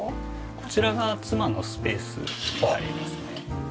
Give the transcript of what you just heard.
こちらが妻のスペースになりますね。